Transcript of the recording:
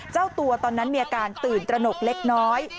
เจ้าตัวตอนนั้นมีอาการตื่นตระหนกเล็กน้อย